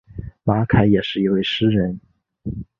马凯也是一位诗人。